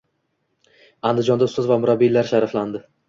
Andijonda ustoz va murabbiylar sharaflandi